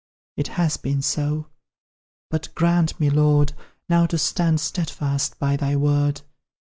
It has been so; but grant me, Lord, Now to stand steadfast by Thy word!